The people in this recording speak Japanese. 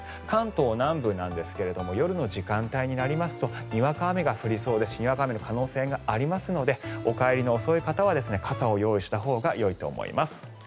関東南部なんですが夜の時間帯になりますとにわか雨の可能性がありますのでお帰りの遅い方は傘を用意したほうがよいと思います。